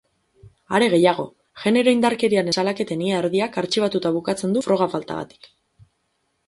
Are gehiago, genero indarkeriaren salaketen ia erdiak artxibatuta bukatzen du froga faltagatik.